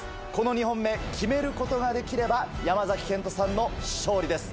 ２本目決めることができれば山賢人さんの勝利です。